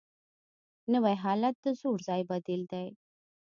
نوی حالت د زوړ ځای بدیل دی